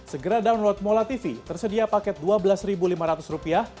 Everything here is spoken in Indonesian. segera download mola tv tersedia paket dua belas lima ratus rupiah